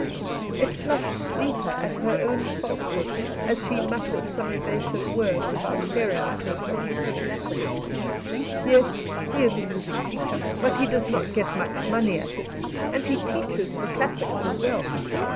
It flushed deeper at her own falsehood, as she muttered some evasive words about hearing of him from Mrs. Latimer. "Yes, he is a music master; but he does not get much money at it, and he teaches the classics as well.